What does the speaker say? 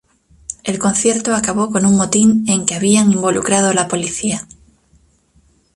El concierto acabó con un motín en que habían involucrado a la policía.